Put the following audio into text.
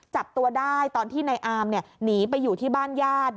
จับตัวได้ตอนที่ในอามหนีไปอยู่ที่บ้านญาติ